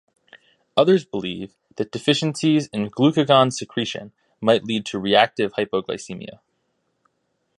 Others believe deficiencies in glucagon secretion might lead to reactive hypoglycemia.